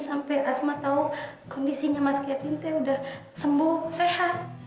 sampai asma tahu kondisinya mas kevin itu udah sembuh sehat